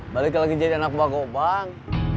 balik lagi jadi anak bakobang